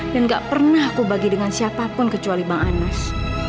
dan gak pernah aku bagi dengan siapapun kecuali bang anas